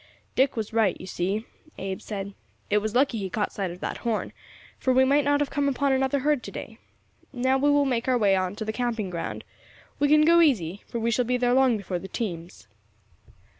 "Dick was right, you see," Abe said. "It was lucky he caught sight of that horn, for we might not have come upon another herd to day. Now we will make our way on to the camping ground; we can go easy, for we shall be there long before the teams."